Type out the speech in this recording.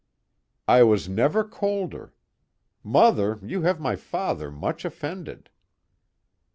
"I was never colder. 'Mother, you have my father much offended.'"